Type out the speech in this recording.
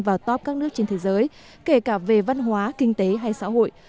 vào top các nước trên thế giới kể cả về văn hóa kinh tế hay xã hội